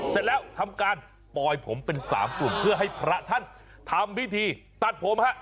เสร็จแล้วทำการปลอยผมเป็น๓กลุ่มเพื่อให้พระท่านทำพิธีตัดผมฮะ